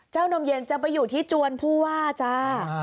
เจ้านมเย็นจะไปอยู่ที่จวนภูวาจ้า